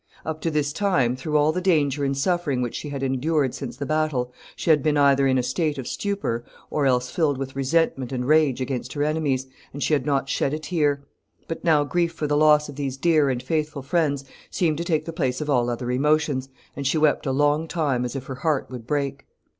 Up to this time, through all the danger and suffering which she had endured since the battle, she had been either in a state of stupor, or else filled with resentment and rage against her enemies, and she had not shed a tear; but now grief for the loss of these dear and faithful friends seemed to take the place of all other emotions, and she wept a long time as if her heart would break.